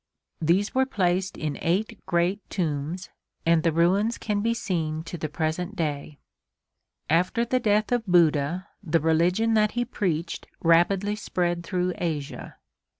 These were placed in eight great tombs, and the ruins can be seen to the present day. After the death of Buddha the religion that he preached rapidly spread through Asia.